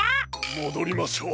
もどりましょう。